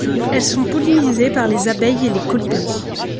Elles sont pollinisées par les abeilles et les colibris.